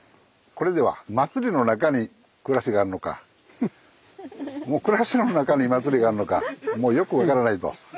これでは祭りの中に暮らしがあるのか暮らしの中に祭りがあるのかもうよく分からないと。